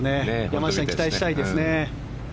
山下に期待したいですね。